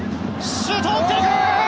シュートを打っていく！